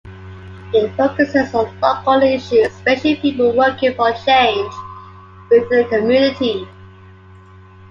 It focuses on local issues, especially "people working for change" within the community.